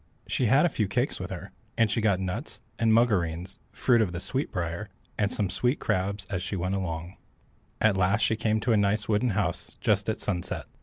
She had a few cakes with her, and she got nuts, and mugoreens (fruit of the sweet briar), and some sweet crabs, as she went along. At last she came to a nice wooden house just at sunset.